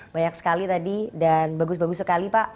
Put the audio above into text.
banyak sekali tadi dan bagus bagus sekali pak